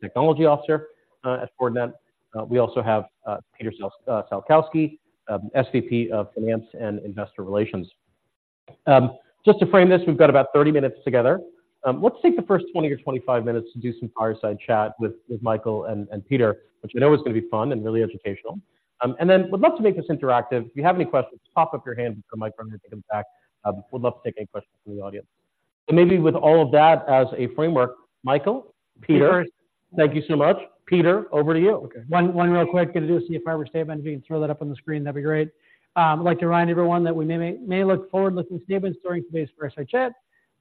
Technology officer at Fortinet. We also have Peter Salkowski, SVP of Finance and Investor Relations. Just to frame this, we've got about 30 minutes together. Let's take the first 20 or 25 minutes to do some fireside chat with Michael and Peter, which we know is gonna be fun and really educational. And then would love to make this interactive. If you have any questions, pop up your hand, and put a mic for them to come back. Would love to take any questions from the audience. And maybe with all of that as a framework, Michael, Peter, thank you so much. Peter, over to you. Okay. One, one real quick going to do a safe harbor statement. If you can throw that up on the screen, that'd be great. I'd like to remind everyone that we may make forward-looking statements during today's fireside chat.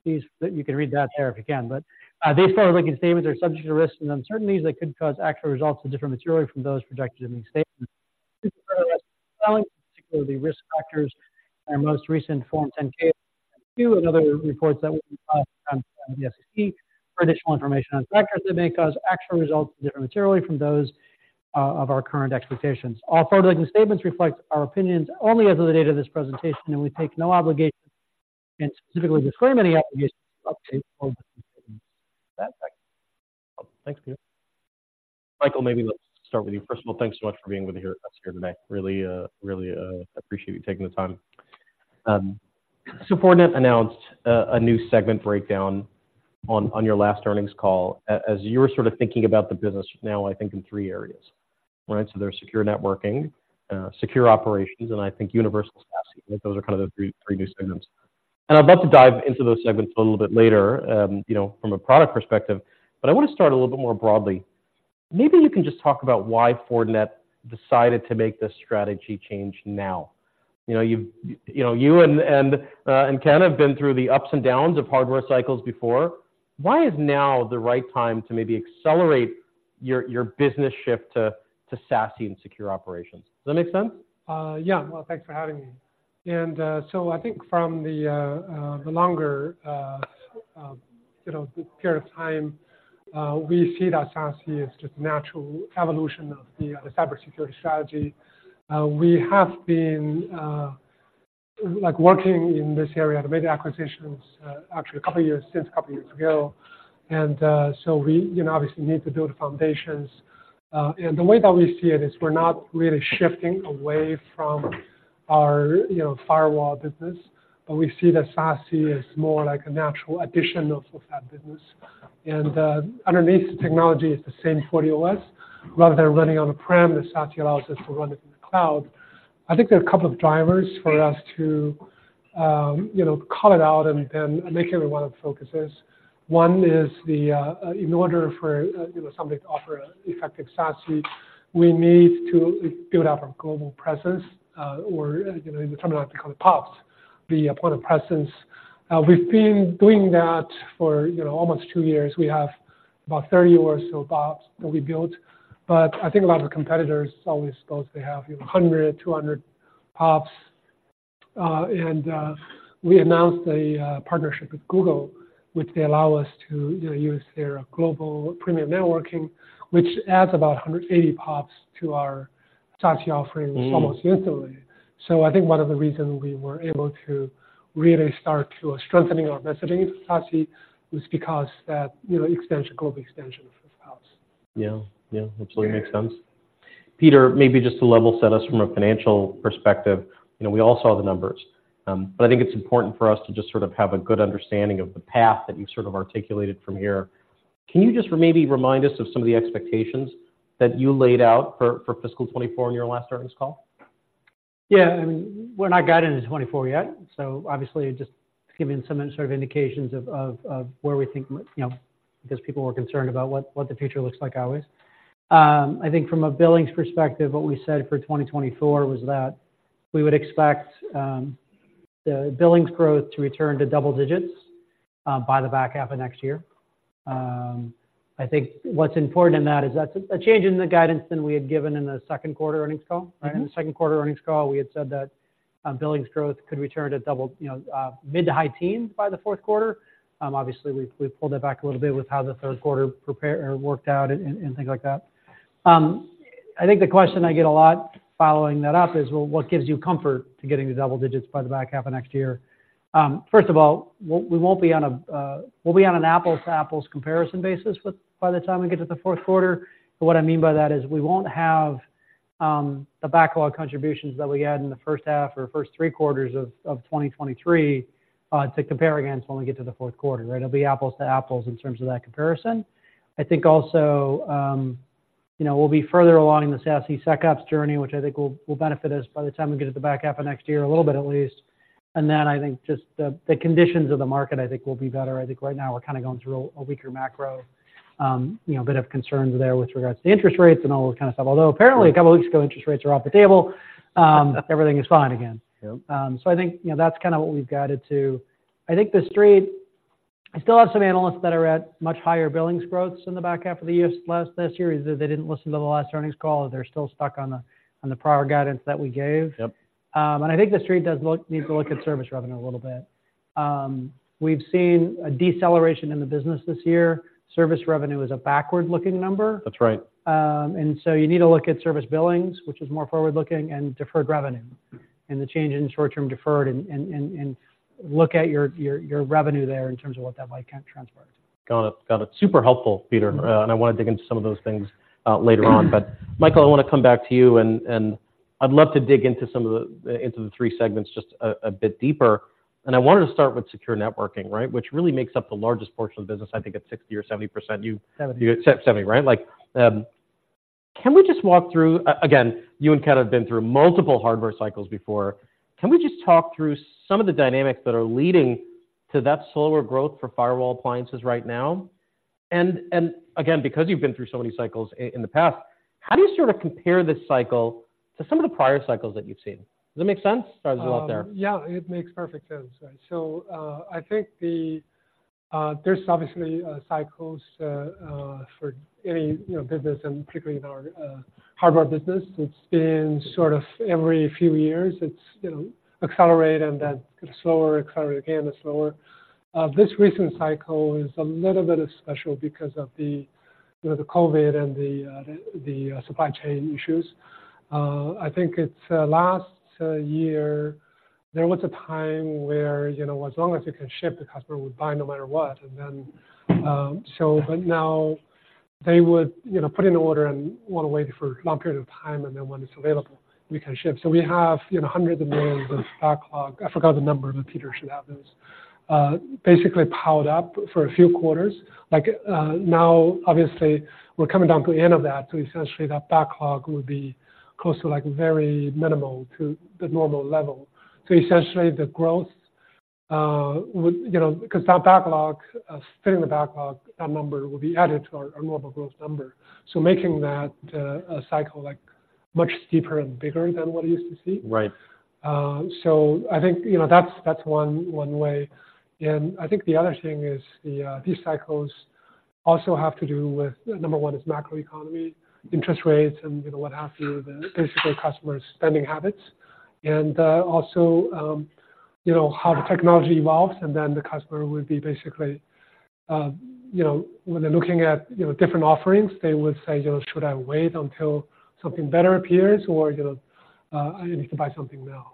Please, you can read that there if you can, but these forward-looking statements are subject to risks and uncertainties that could cause actual results to differ materially from those projected in these statements. Particularly the risk factors in our most recent Form 10-K and other reports that will be filed with the SEC for additional information on factors that may cause actual results to differ materially from those of our current expectations. All forward-looking statements reflect our opinions only as of the date of this presentation, and we take no obligation and specifically disclaim any obligation to update all the statements. Thanks, Peter. Michael, maybe let's start with you. First of all, thanks so much for being with us here today. Really appreciate you taking the time. So Fortinet announced a new segment breakdown on your last earnings call as you were sort of thinking about the business now, I think in three areas, right? So there's Secure Networking, Secure Operations, and I think Universal SASE. I think those are kind of the three new segments. And I'd love to dive into those segments a little bit later, you know, from a product perspective, but I want to start a little bit more broadly. Maybe you can just talk about why Fortinet decided to make this strategy change now. You know, you've you know, you and Ken have been through the ups and downs of hardware cycles before. Why is now the right time to maybe accelerate your business shift to SASE and Secure Operations? Does that make sense? Yeah. Well, thanks for having me. So I think from the longer, you know, period of time, we see that SASE is just a natural evolution of the cybersecurity strategy. We have been, like, working in this area to make acquisitions, actually, a couple of years since a couple of years ago. So we, you know, obviously need to build foundations. And the way that we see it is we're not really shifting away from our, you know, firewall business, but we see that SASE is more like a natural addition of that business. And underneath, the technology is the same FortiOS. Rather than running on-prem, the SASE allows us to run it in the cloud. I think there are a couple of drivers for us to, you know, call it out and make it one of the focuses. One is the, in order for, you know, something to offer effective SASE, we need to build out our global presence, or, you know, in the terminology, call it PoPs, the point of presence. We've been doing that for, you know, almost two years. We have about 30 or so PoPs that we built, but I think a lot of the competitors always suppose they have, you know, 100, 200 PoPs. And we announced a partnership with Google, which they allow us to, you know, use their global premium networking, which adds about 180 PoPs to our SASE offerings. Mm-hmm. Almost instantly. So I think one of the reasons we were able to really start to strengthening our messaging SASE was because that, you know, extension, global extension of the house. Yeah. Yeah, absolutely makes sense. Peter, maybe just to level set us from a financial perspective, you know, we all saw the numbers, but I think it's important for us to just sort of have a good understanding of the path that you've sort of articulated from here. Can you just maybe remind us of some of the expectations that you laid out for fiscal 2024 in your last earnings call? Yeah, I mean, we're not guided into 2024 yet, so obviously just giving some sort of indications of where we think, you know, because people were concerned about what the future looks like always. I think from a billings perspective, what we said for 2024 was that we would expect the billings growth to return to double digits by the back half of next year. I think what's important in that is that's a change in the guidance than we had given in the second quarter earnings call, right? Mm-hmm. In the second quarter earnings call, we had said that, billings growth could return to double, you know, mid to high teens by the fourth quarter. Obviously, we pulled it back a little bit with how the third quarter prepared or worked out and things like that. I think the question I get a lot following that up is, well, what gives you comfort to getting to double digits by the back half of next year? First of all, we won't be on a—we'll be on an apples to apples comparison basis with by the time we get to the fourth quarter. But what I mean by that is, we won't have the backlog contributions that we had in the first half or first three quarters of 2023 to compare against when we get to the fourth quarter, right? It'll be apples to apples in terms of that comparison. I think also, you know, we'll be further along in the SASE SecOps journey, which I think will benefit us by the time we get to the back half of next year, a little bit at least. And then I think just the conditions of the market, I think, will be better. I think right now we're kinda going through a weaker macro, you know, a bit of concerns there with regards to interest rates and all that kind of stuff. Although, apparently, a couple of weeks ago, interest rates are off the table, everything is fine again. Yep. So, I think, you know, that's kinda what we've guided to. I think the Street... I still have some analysts that are at much higher billings growths in the back half of the year, last year. They didn't listen to the last earnings call. They're still stuck on the prior guidance that we gave. Yep. And I think the Street needs to look at service revenue a little bit. We've seen a deceleration in the business this year. Service revenue is a backward-looking number. That's right. So you need to look at service billings, which is more forward-looking and deferred revenue, and the change in short-term deferred and look at your revenue there in terms of what that might transport. Got it. Got it. Super helpful, Peter. Mm-hmm. And I want to dig into some of those things, later on. But Michael, I want to come back to you. I'd love to dig into some of the, into the three segments just a bit deeper. And I wanted to start with secure networking, right? Which really makes up the largest portion of the business. I think it's 60% or 70%. You- Seventy. 70, right. Like, can we just walk through again, you and Ken have been through multiple hardware cycles before. Can we just talk through some of the dynamics that are leading to that slower growth for firewall appliances right now? And again, because you've been through so many cycles in the past, how do you sort of compare this cycle to some of the prior cycles that you've seen? Does that make sense, starting us off there? Yeah, it makes perfect sense, right? So, I think there's obviously cycles for any, you know, business and particularly in our hardware business. It's been sort of every few years, it's, you know, accelerate and then slower, accelerate again, and slower. This recent cycle is a little bit special because of the, you know, the COVID and the supply chain issues. I think it's last year, there was a time where, you know, as long as you can ship, the customer would buy no matter what. And then, so but now they would, you know, put in an order and want to wait for a long period of time, and then when it's available, we can ship. So we have, you know, $hundreds of millions of backlog. I forgot the number, but Peter should have those. Basically piled up for a few quarters. Like, now, obviously, we're coming down to the end of that. So essentially, that backlog would be close to, like, very minimal to the normal level. So essentially, the growth would, you know, because that backlog still in the backlog, that number will be added to our normal growth number. So making that a cycle like much steeper and bigger than what we used to see. Right. So I think, you know, that's one way. And I think the other thing is these cycles also have to do with, number one, the macroeconomy, interest rates, and, you know, what have you, basically customer spending habits. And also, you know, how the technology evolves, and then the customer would be basically, you know, when they're looking at, you know, different offerings, they would say, you know, "Should I wait until something better appears? Or, you know, I need to buy something now."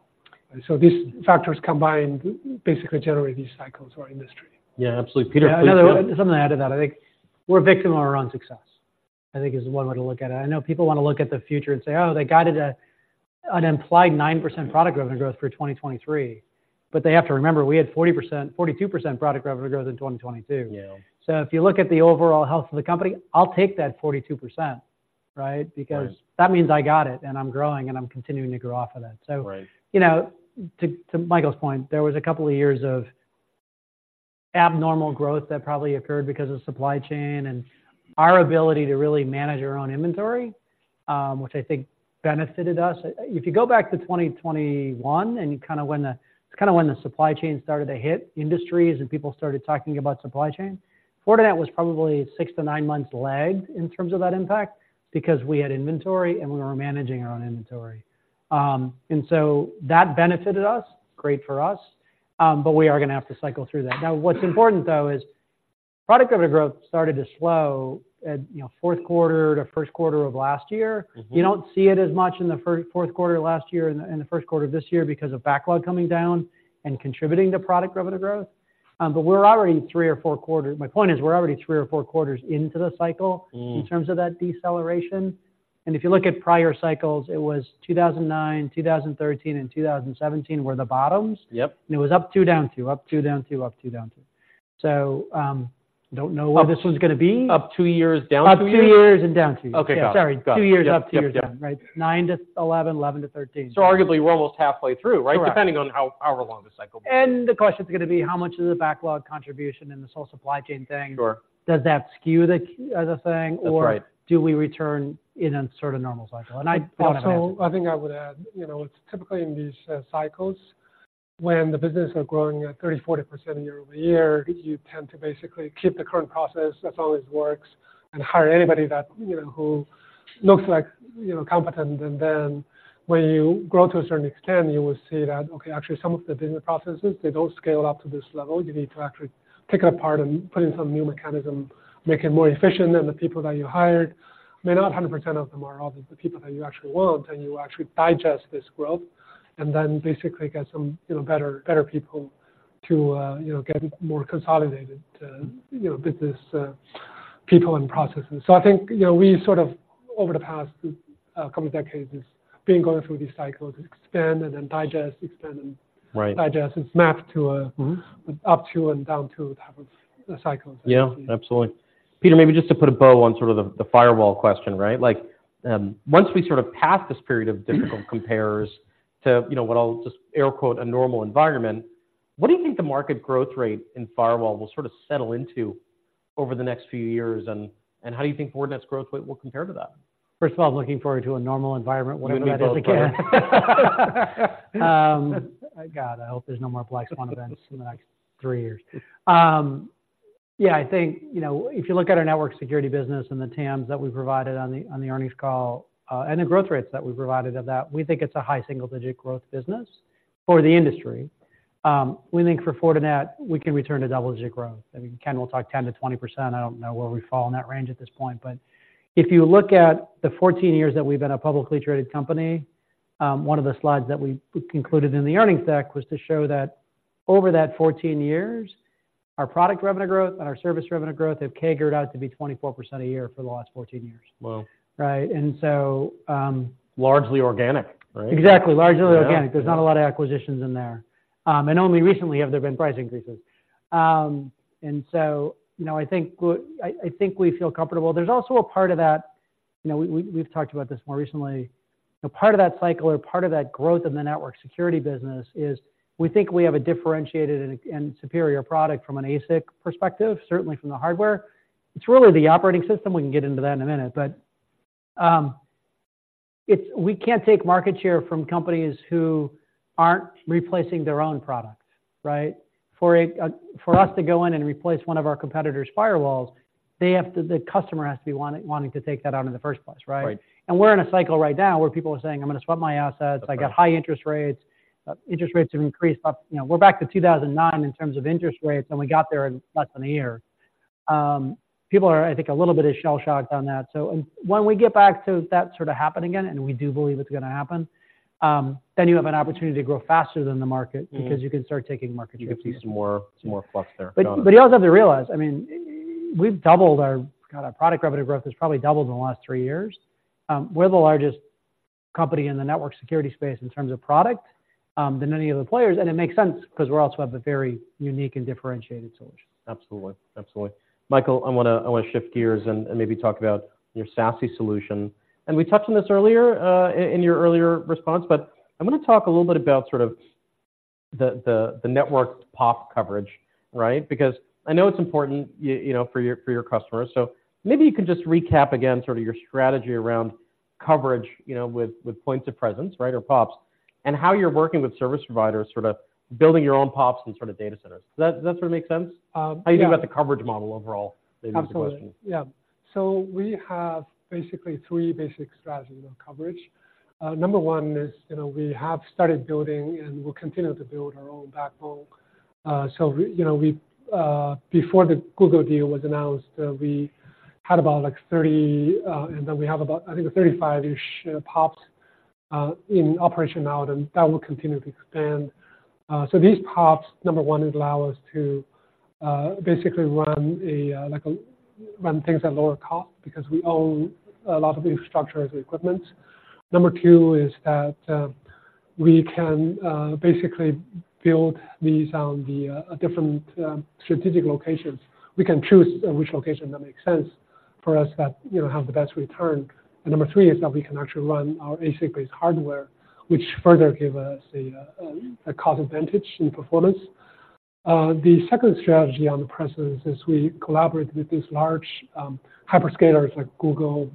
So these factors combined basically generate these cycles for our industry. Yeah, absolutely. Peter- Yeah, another something to add to that. I think we're a victim of our own success, I think, is one way to look at it. I know people want to look at the future and say, "Oh, they guided an implied 9% product revenue growth through 2023." But they have to remember, we had 40%-42% product revenue growth in 2022. Yeah. If you look at the overall health of the company, I'll take that 42%, right? Right. Because that means I got it, and I'm growing, and I'm continuing to grow off of that. Right. So, you know, to, to Michael's point, there was a couple of years of abnormal growth that probably occurred because of supply chain and our ability to really manage our own inventory, which I think benefited us. If you go back to 2021, it's kind of when the supply chain started to hit industries and people started talking about supply chain, Fortinet was probably six-nine months lagged in terms of that impact because we had inventory and we were managing our own inventory. And so that benefited us, great for us, but we are going to have to cycle through that. Now, what's important, though, is product revenue growth started to slow at, you know, fourth quarter to first quarter of last year. Mm-hmm. You don't see it as much in the fourth quarter last year and the first quarter of this year because of backlog coming down and contributing to product revenue growth. But we're already three or four quarters, my point is, we're already three or four quarters into the cycle- Mm. in terms of that deceleration. If you look at prior cycles, it was 2009, 2013, and 2017 were the bottoms. Yep. It was up two, down two, up two, down two, up two, down two. So, don't know where this one's going to be. Up two years, down two years? Up two years and down two. Okay, got it. Sorry, two years, up two years, down. Yep. Right. nine-11, 11-13. Arguably, we're almost halfway through, right? Correct. Depending on how, however long this cycle is. The question is going to be, how much is the backlog contribution and this whole supply chain thing? Sure. Does that skew the thing- That's right or do we return in a sort of normal cycle? And I- Also, I think I would add, you know, it's typically in these cycles when the business are growing at 30%, 40% year-over-year, you tend to basically keep the current process as long as it works, and hire anybody that, you know, who looks like, you know, competent. And then when you grow to a certain extent, you will see that, okay, actually, some of the business processes, they don't scale up to this level. You need to actually pick apart and put in some new mechanism, make it more efficient, and the people that you hired, may not 100% of them are obviously the people that you actually want, and you actually digest this growth and then basically get some, you know, better, better people to, you know, get more consolidated, you know, business, people and processes. So I think, you know, we sort of over the past, couple of decades, has been going through these cycles, expand and then digest, expand and- Right Digest. It's mapped to a- Mm-hmm up to and down to type of cycles. Yeah, absolutely. Peter, maybe just to put a bow on sort of the firewall question, right? Like, once we sort of pass this period of difficult compares to, you know, what I'll just air quote, "a normal environment," what do you think the market growth rate in firewall will sort of settle into over the next few years, and how do you think Fortinet's growth rate will compare to that? First of all, I'm looking forward to a normal environment, whatever that is again. God, I hope there's no more black swan events in the next three years. Yeah, I think, you know, if you look at our network security business and the TAMs that we provided on the, on the earnings call, and the growth rates that we provided of that, we think it's a high single-digit growth business for the industry. We think for Fortinet, we can return to double-digit growth. I mean, Ken will talk 10%-20%. I don't know where we fall in that range at this point. But if you look at the 14 years that we've been a publicly traded company, one of the slides that we included in the earnings deck was to show that over that 14 years our product revenue growth and our service revenue growth have CAGRed out to be 24% a year for the last 14 years. Wow. Right? And so, Largely organic, right? Exactly, largely organic. Yeah. There's not a lot of acquisitions in there. Only recently have there been price increases. So, you know, I think we feel comfortable. There's also a part of that, you know, we've talked about this more recently. A part of that cycle or part of that growth in the network security business is we think we have a differentiated and superior product from an ASIC perspective, certainly from the hardware. It's really the operating system, we can get into that in a minute. But we can't take market share from companies who aren't replacing their own products, right? For us to go in and replace one of our competitor's firewalls, the customer has to be wanting to take that out in the first place, right? Right. We're in a cycle right now where people are saying, "I'm gonna swap my assets. Okay. I got high interest rates." Interest rates have increased up, you know, we're back to 2009 in terms of interest rates, and we got there in less than a year. People are, I think, a little bit shell-shocked on that. And when we get back to that sort of happening again, and we do believe it's gonna happen, then you have an opportunity to grow faster than the market- Mm-hmm. because you can start taking market share. You can see some more, some more flux there. Got it. But, but you also have to realize, I mean, we've doubled our... God, our product revenue growth has probably doubled in the last three years. We're the largest company in the network security space in terms of product, than any other players, and it makes sense 'cause we also have a very unique and differentiated solution. Absolutely. Absolutely. Michael, I wanna, I wanna shift gears and maybe talk about your SASE solution. And we touched on this earlier in your earlier response, but I'm gonna talk a little bit about sort of the network POP coverage, right? Because I know it's important, you know, for your customers. So maybe you can just recap again sort of your strategy around coverage, you know, with points of presence, right, or POPs, and how you're working with service providers, sort of building your own POPs and sort of data centers. Does that sort of make sense? Um, yeah. How you think about the coverage model overall, maybe is the question. Absolutely. Yeah. So we have basically three basic strategies of coverage. Number one is, you know, we have started building, and we'll continue to build our own backbone. So we, you know, we, before the Google deal was announced, we had about, like, 30, and then we have about, I think, 35-ish, PoPs, in operation now, and that will continue to expand. So these PoPs, number one, it allow us to, basically run things at lower cost because we own a lot of the infrastructure as equipment. Number two is that, we can, basically build these on the, different, strategic locations. We can choose which location that makes sense for us, that, you know, have the best return. And number three is that we can actually run our ASIC-based hardware, which further give us a cost advantage in performance. The second strategy on the premises is we collaborate with these large hyperscalers like Google.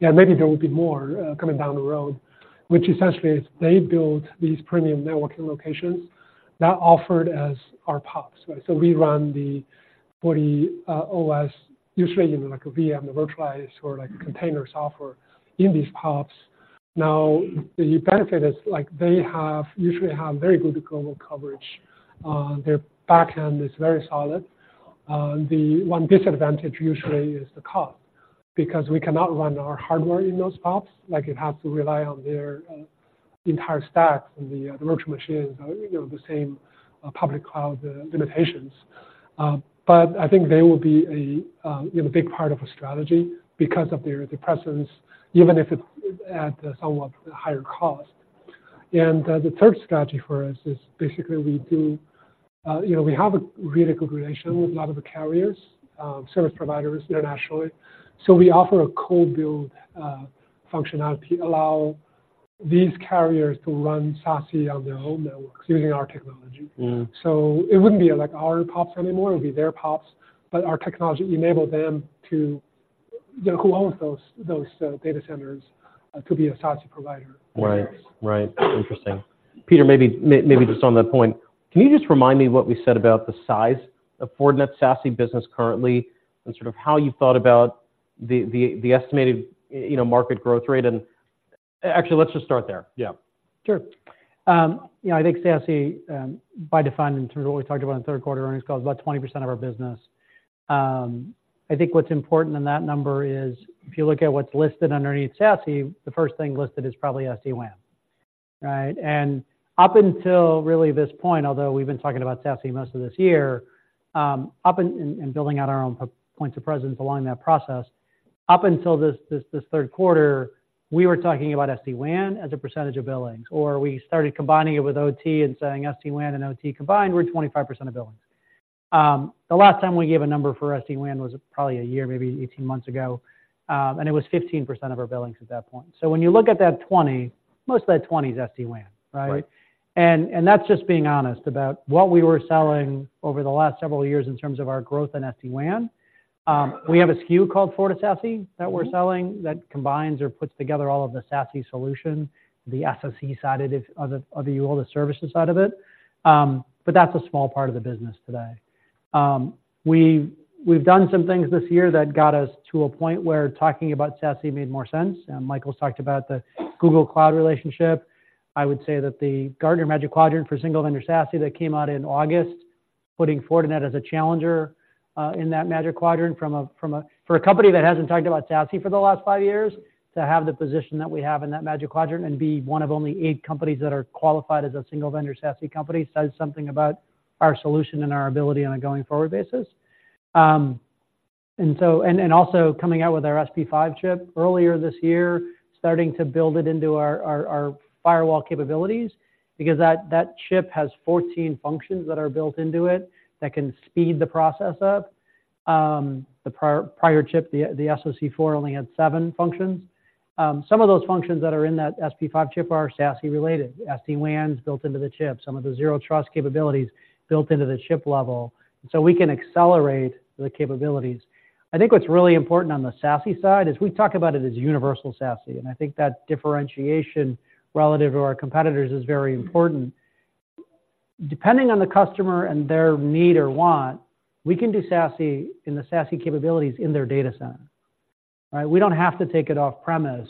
Yeah, maybe there will be more coming down the road, which essentially is they build these premium networking locations that offered as our POPs, right? So we run the FortiOS, usually in, like, a VM, a virtualized, or, like, container software in these POPs. Now, the benefit is, like, they usually have very good global coverage. Their back end is very solid. The one disadvantage usually is the cost, because we cannot run our hardware in those POPs. Like, it has to rely on their entire stack from the virtual machines, you know, the same public cloud limitations. But I think they will be a, you know, big part of a strategy because of their presence, even if it's at a somewhat higher cost. And the third strategy for us is basically we do. You know, we have a really good relationship with a lot of the carriers, service providers internationally. So we offer a co-build functionality, allow these carriers to run SASE on their own networks using our technology. Mm. So it wouldn't be, like, our PoPs anymore, it would be their PoPs, but our technology enable them to, you know, who owns those data centers to be a SASE provider. Right. Right. Interesting. Peter, maybe just on that point, can you just remind me what we said about the size of Fortinet's SASE business currently, and sort of how you thought about the estimated, you know, market growth rate? Actually, let's just start there. Yeah. Sure. You know, I think SASE, by definition, in terms of what we talked about in third quarter earnings call, is about 20% of our business. I think what's important in that number is, if you look at what's listed underneath SASE, the first thing listed is probably SD-WAN, right? And up until really this point, although we've been talking about SASE most of this year, and building out our own points of presence along that process, up until this third quarter, we were talking about SD-WAN as a percentage of billings, or we started combining it with OT and saying SD-WAN and OT combined were 25% of billings. The last time we gave a number for SD-WAN was probably a year, maybe 18 months ago, and it was 15% of our billings at that point. When you look at that 20, most of that 20 is SD-WAN, right? Right. That's just being honest about what we were selling over the last several years in terms of our growth in SD-WAN. We have a SKU called FortiSASE that we're selling, that combines or puts together all of the SASE solution, the SSE side of it, the services side of it. But that's a small part of the business today. We've done some things this year that got us to a point where talking about SASE made more sense, and Michael's talked about the Google Cloud relationship. I would say that the Gartner Magic Quadrant for Single-Vendor SASE that came out in August, putting Fortinet as a challenger-... In that Magic Quadrant for a company that hasn't talked about SASE for the last five years, to have the position that we have in that Magic Quadrant and be one of only 8 companies that are qualified as a single vendor SASE company, says something about our solution and our ability on a going-forward basis. And so also coming out with our SP5 chip earlier this year, starting to build it into our firewall capabilities, because that chip has 14 functions that are built into it that can speed the process up. The prior chip, the SoC4, only had seven functions. Some of those functions that are in that SP5 chip are SASE related. SD-WAN is built into the chip, some of the Zero Trust capabilities built into the chip level, so we can accelerate the capabilities. I think what's really important on the SASE side is we talk about it as universal SASE, and I think that differentiation relative to our competitors is very important. Depending on the customer and their need or want, we can do SASE in the SASE capabilities in their data center, right? We don't have to take it off-premise.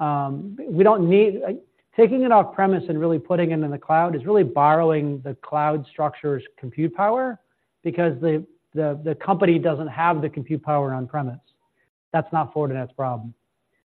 We don't need-- Taking it off-premise and really putting it in the cloud is really borrowing the cloud structure's compute power because the company doesn't have the compute power on-premise. That's not Fortinet's problem.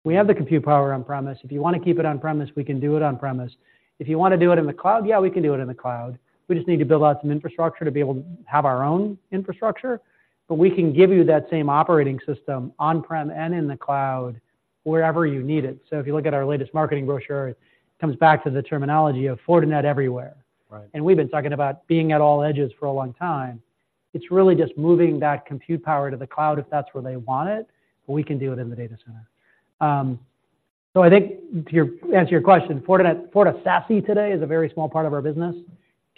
We have the compute power on-premise. If you want to keep it on-premise, we can do it on-premise. If you want to do it in the cloud, yeah, we can do it in the cloud. We just need to build out some infrastructure to be able to have our own infrastructure, but we can give you that same operating system on-prem and in the cloud wherever you need it. So if you look at our latest marketing brochure, it comes back to the terminology of Fortinet Everywhere. Right. And we've been talking about being at all edges for a long time. It's really just moving that compute power to the cloud, if that's where they want it, but we can do it in the data center. So I think to answer your question, Fortinet, FortiSASE today is a very small part of our business.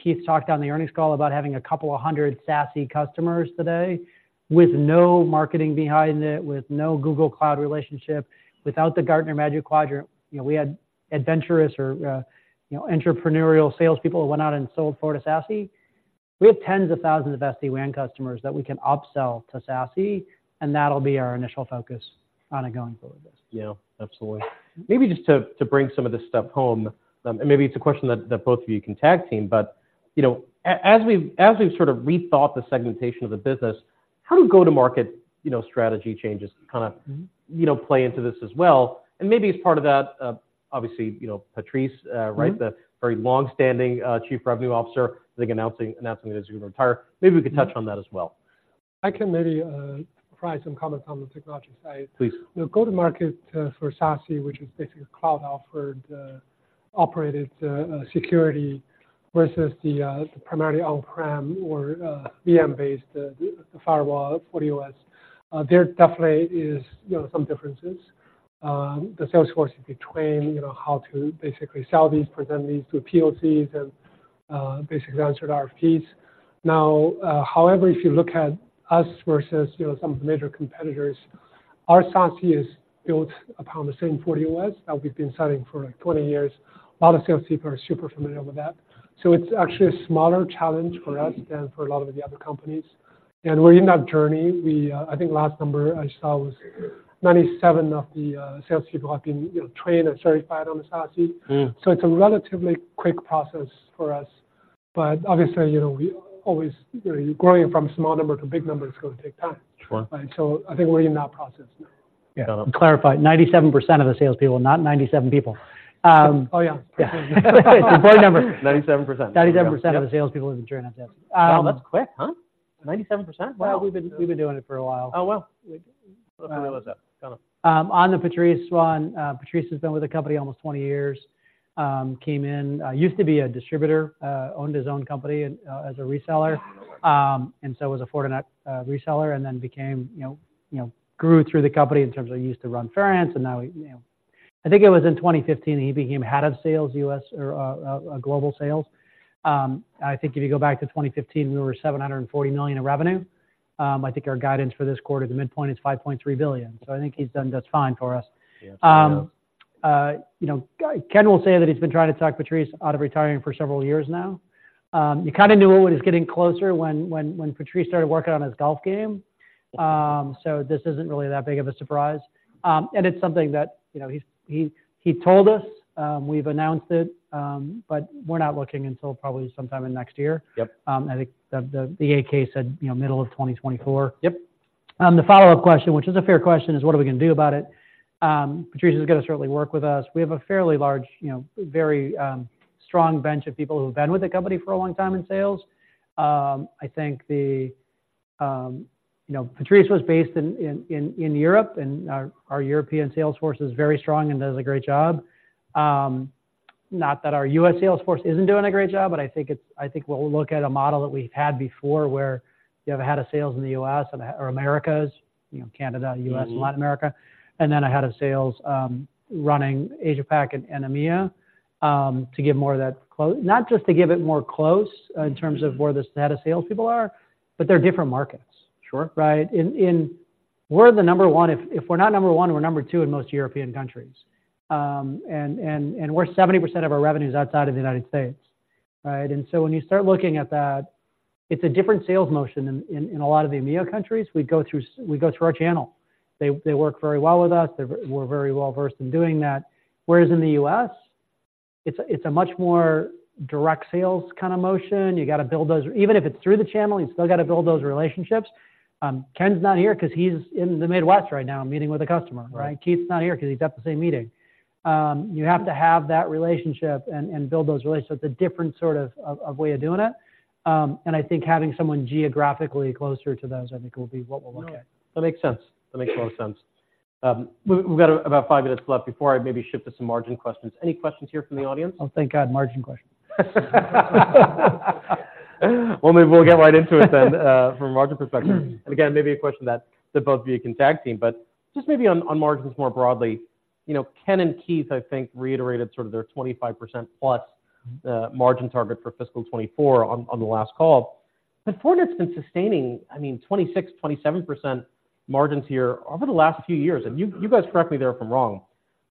Keith talked on the earnings call about having a couple of hundred SASE customers today with no marketing behind it, with no Google Cloud relationship, without the Gartner Magic Quadrant. You know, we had adventurous or, you know, entrepreneurial salespeople who went out and sold FortiSASE. We have tens of thousands of SD-WAN customers that we can upsell to SASE, and that'll be our initial focus on a going forward basis. Yeah, absolutely. Maybe just to bring some of this stuff home, and maybe it's a question that both of you can tag team, but, you know, as we've sort of rethought the segmentation of the business, how do go-to-market, you know, strategy changes kinda- Mm-hmm. -you know, play into this as well? And maybe as part of that, obviously, you know, Patrice- Mm-hmm... right, the very long-standing Chief Revenue Officer, I think, announcing that he's going to retire. Maybe we could touch on that as well. I can maybe provide some comments on the technology side. Please. The go-to-market for SASE, which is basically a cloud-offered operated security versus the primarily on-prem or VM-based firewall, FortiOS. There definitely is, you know, some differences. The sales force is between, you know, how to basically sell these, present these to POCs, and basically, answer RFPs. Now, however, if you look at us versus, you know, some major competitors, our SASE is built upon the same FortiOS that we've been selling for, like, 20 years. A lot of salespeople are super familiar with that. So it's actually a smaller challenge for us than for a lot of the other companies. And we're in that journey. We... I think the last number I saw was 97 of the salespeople have been, you know, trained and certified on the SASE. Mm. So it's a relatively quick process for us, but obviously, you know, we always—you know, growing from a small number to a big number is going to take time. Sure. Right. So I think we're in that process now. Yeah. To clarify, 97% of the salespeople, not 97 people. Oh, yeah. Yeah. It's the wrong number. 97%. 97% of the salespeople have been trained on SASE. Wow, that's quick, huh? 97%. Well, we've been doing it for a while. Oh, well. Um- Let's close up. Go on. On the Patrice one, Patrice has been with the company almost 20 years. Came in, used to be a distributor, owned his own company, as a reseller. And so was a Fortinet reseller, and then became, you know, you know, grew through the company in terms of he used to run France, and now, you know. I think it was in 2015, he became head of sales, U.S. or, global sales. I think if you go back to 2015, we were $740 million in revenue. I think our guidance for this quarter, the midpoint is $5.3 billion. So I think he's done just fine for us. Yes, he has. You know, Ken will say that he's been trying to talk Patrice out of retiring for several years now. You kinda knew it was getting closer when Patrice started working on his golf game. So this isn't really that big of a surprise. And it's something that, you know, he told us, we've announced it, but we're not looking until probably sometime in next year. Yep. I think the 8-K said, you know, middle of 2024. Yep. The follow-up question, which is a fair question, is what are we gonna do about it? Patrice is gonna certainly work with us. We have a fairly large, you know, very strong bench of people who've been with the company for a long time in sales. I think... You know, Patrice was based in Europe, and our European sales force is very strong and does a great job. Not that our U.S. sales force isn't doing a great job, but I think it's- I think we'll look at a model that we've had before, where you have a head of sales in the U.S. or Americas, you know, Canada, U.S.- Mm. and Latin America, and then a head of sales, running Asia-Pac and EMEA, to give more of that close... Not just to give it more close, in terms of where the head of salespeople are, but they're different markets. Sure. Right? In, we're number one. If we're not number one, we're number two in most European countries. And we're 70% of our revenue is outside of the United States, right? And so when you start looking at that, it's a different sales motion in a lot of the EMEA countries. We go through our channel. They work very well with us. We're very well versed in doing that. Whereas in the U.S.... It's a much more direct sales kind of motion. You got to build those. Even if it's through the channel, you still got to build those relationships. Ken's not here because he's in the Midwest right now, meeting with a customer, right? Keith's not here because he's at the same meeting. You have to have that relationship and build those relationships, a different sort of way of doing it. And I think having someone geographically closer to those, I think, will be what we'll look at. That makes sense. That makes a lot of sense. We've got about five minutes left before I maybe shift to some margin questions. Any questions here from the audience? Oh, thank God, margin question. Well, maybe we'll get right into it then, from a margin perspective. And again, maybe a question that the both of you can tag team, but just maybe on margins more broadly. You know, Ken and Keith, I think, reiterated sort of their 25%+ margin target for fiscal 2024 on the last call. But Fortinet's been sustaining, I mean, 26%-27% margins here over the last few years, and you guys correct me there if I'm wrong.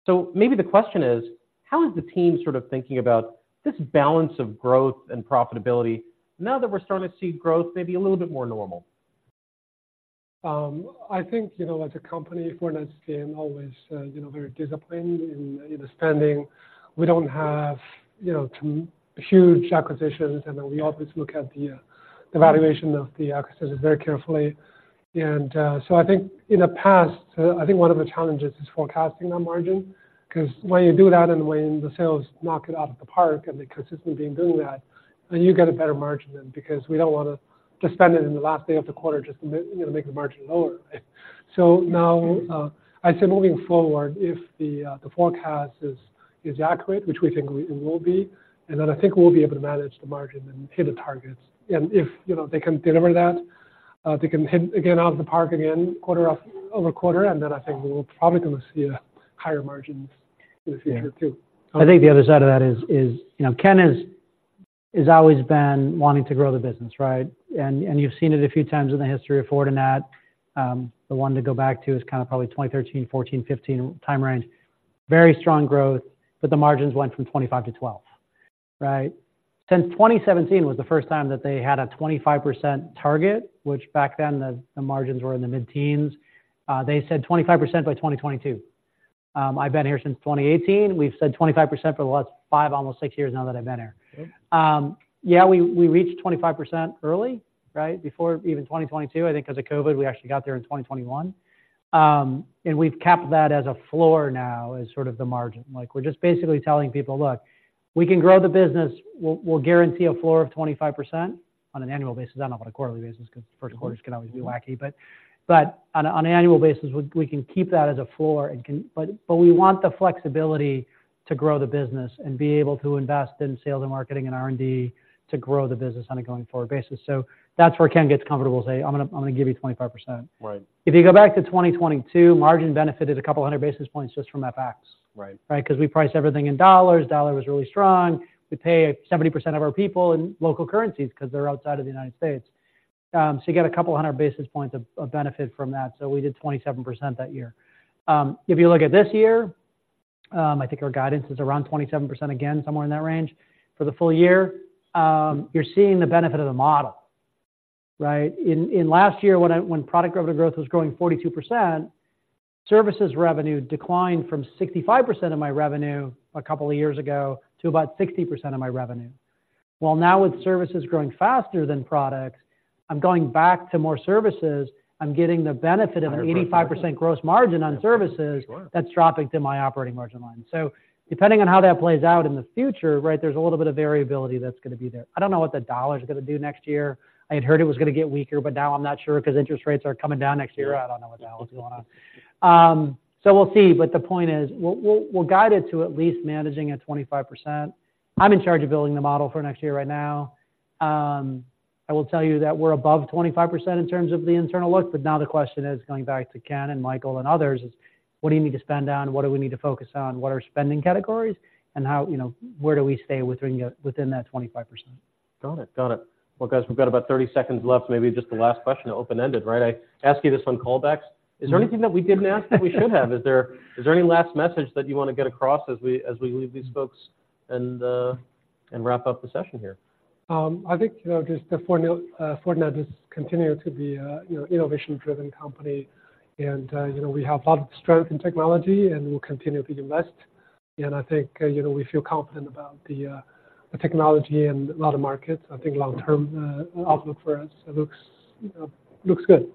So maybe the question is: How is the team sort of thinking about this balance of growth and profitability now that we're starting to see growth, maybe a little bit more normal? I think, you know, as a company, Fortinet's been always, you know, very disciplined in, in spending. We don't have, you know, huge acquisitions, and then we always look at the, the valuation of the acquisitions very carefully. And, so I think in the past, I think one of the challenges is forecasting that margin, because when you do that, and when the sales knock it out of the park and they consistently been doing that, then you get a better margin then, because we don't want to just spend it in the last day of the quarter just to, you know, make the margin lower, right? So now, I'd say moving forward, if the, the forecast is, is accurate, which we think we it will be, and then I think we'll be able to manage the margin and hit the targets. And if, you know, they can deliver that, they can hit again out of the park again, quarter-after-over-quarter, and then I think we're probably going to see higher margins in the future, too. I think the other side of that is, you know, Ken has always been wanting to grow the business, right? And you've seen it a few times in the history of Fortinet. The one to go back to is kind of probably 2013, 2014, 2015 time range. Very strong growth, but the margins went from 25%-12%, right? Since 2017 was the first time that they had a 25% target, which back then, the margins were in the mid-teens, they said 25% by 2022. I've been here since 2018. We've said 25% for the last 5, almost 6 years now that I've been here. Yeah, we reached 25% early, right? Before even 2022. I think because of COVID, we actually got there in 2021. We've capped that as a floor now as sort of the margin. Like, we're just basically telling people: Look, we can grow the business. We'll guarantee a floor of 25% on an annual basis, I don't know about a quarterly basis, because first quarters can always be wacky. But on an annual basis, we can keep that as a floor and can, but we want the flexibility to grow the business and be able to invest in sales and marketing and R&D to grow the business on a going-forward basis. So that's where Ken gets comfortable and say, "I'm gonna give you 25%. Right. If you go back to 2022, margin benefited a couple of hundred basis points just from FX. Right. Right? Because we price everything in dollars. Dollar was really strong. We pay 70% of our people in local currencies because they're outside of the United States. So you get a couple of hundred basis points of benefit from that. So we did 27% that year. If you look at this year, I think our guidance is around 27%, again, somewhere in that range for the full year. You're seeing the benefit of the model, right? In last year, when product revenue growth was growing 42%, services revenue declined from 65% of my revenue a couple of years ago to about 60% of my revenue. Well, now, with services growing faster than products, I'm going back to more services. I'm getting the benefit of an 85% gross margin on services- Sure. That's dropping to my operating margin line. So depending on how that plays out in the future, right, there's a little bit of variability that's going to be there. I don't know what the US dollar is going to do next year. I had heard it was going to get weaker, but now I'm not sure because interest rates are coming down next year. I don't know what the hell is going on. So we'll see, but the point is, we'll guide it to at least managing at 25%. I'm in charge of building the model for next year right now. I will tell you that we're above 25% in terms of the internal look, but now the question is, going back to Ken and Michael and others, is: What do you need to spend on? What do we need to focus on? What are spending categories? And how, you know, where do we stay within that 25%? Got it. Got it. Well, guys, we've got about 30 seconds left. Maybe just the last question, open-ended, right? I asked you this on callbacks. Is there anything that we didn't ask that we should have? Is there any last message that you want to get across as we leave these folks and wrap up the session here? I think, you know, just Fortinet is continue to be a, you know, innovation-driven company. And, you know, we have a lot of strength in technology, and we'll continue to invest. And I think, you know, we feel confident about the technology and a lot of markets. I think long term outlook for us looks, you know, looks good.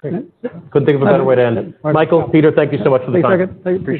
Great. Couldn't think of a better way to end it. Michael, Peter, thank you so much for the time. Thank you. Appreciate it.